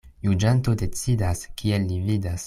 Juĝanto decidas, kiel li vidas.